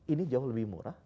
ini jauh lebih murah